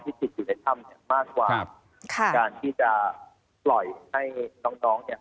ติดอยู่ในถ้ำเนี่ยมากกว่าค่ะการที่จะปล่อยให้น้องน้องเนี่ย